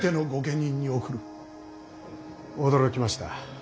驚きました。